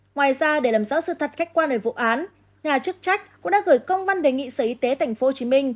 ngoài ra để làm rõ sự thật khách quan về vụ án nhà chức trách cũng đã gửi công văn đề nghị sở y tế tp hcm